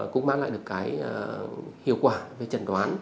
cũng mang lại được cái hiệu quả về trần đoán